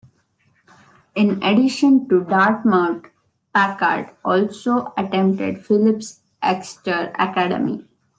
In addition to Dartmouth, Packard also attended Phillips Exeter Academy.